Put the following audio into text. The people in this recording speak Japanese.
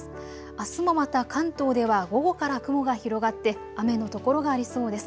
あすもまた関東では午後から雲が広がって雨の所がありそうです。